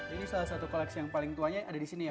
ini salah satu koleksi yang paling tuanya ada di sini ya